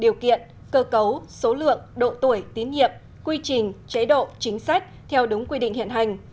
điều kiện cơ cấu số lượng độ tuổi tín nhiệm quy trình chế độ chính sách theo đúng quy định hiện hành